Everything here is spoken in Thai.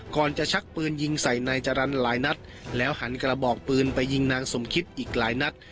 ก่อนจะชักปืนยิงใส่นายจรรย์หลายนัดแล้วหันกระบอกปืนไปยิงนางสมคิดอีกหลายนัด